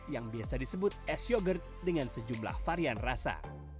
yang biasa disebut es yogurt dengan sejumlah varian rasa